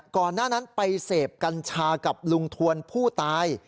ก่อนหน้านั้นไปเสพกัญชากับลุงทวนผู้ตาย